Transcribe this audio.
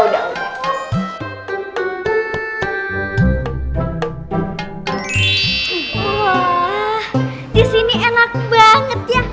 wah disini enak banget ya